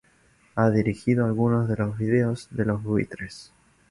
Ha dirigido algunos de los videos de los Buitres.